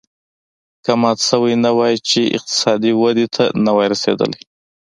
که مات شوی نه وای چین اقتصادي ودې ته نه وای رسېدلی.